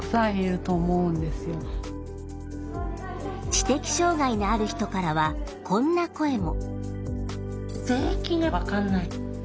知的障害のある人からはこんな声も。